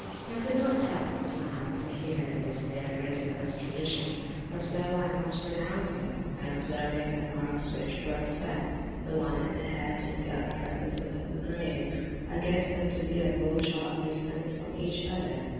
I could not but smile to hear this their ridiculous tradition (for so I must pronounce it), when observing the marks which were set, the one at the head, and the other at the foot of the grave: I guessed them to be a bow shot distant from each other.